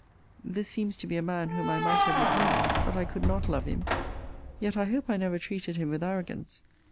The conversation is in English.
This seems to be a man whom I might have reclaimed. But I could not love him. Yet I hope I never treated him with arrogance.